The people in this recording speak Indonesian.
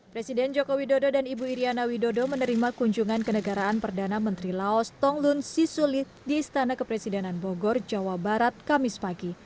presiden joko widodo dan ibu iryana widodo menerima kunjungan kenegaraan perdana menteri laos tonglun sisulit di istana kepresidenan bogor jawa barat kamis pagi